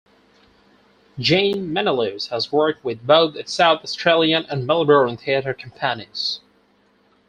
Jane Menelaus has worked with both the South Australian and Melbourne Theatre Companies.